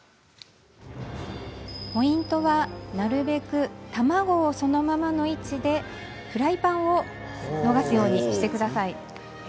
ポイントは、なるべく卵をそのままの位置でフライパンを逃すようにしてください。